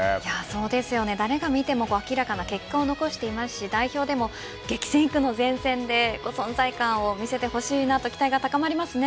そうですね、誰が見ても明らかな結果を残していますし代表でも激戦区の前線で、存在感を見せてほしいです。